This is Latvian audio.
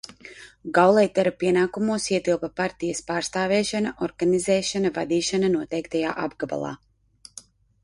Gauleitera pienākumos ietilpa partijas pārstāvēšana, organizēšana, vadīšana noteiktajā apgabalā.